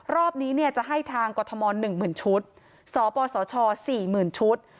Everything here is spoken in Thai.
รอบนี้จะให้ทางกรทม๑๐๐๐ชุดสปสช๔๐๐๐ชุด